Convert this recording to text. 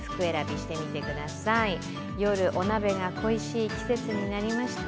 夜、お鍋が恋しい季節になりました。